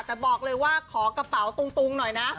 แต่บอกเลยว่าขอกระเป๋าตุงหน่อยนะ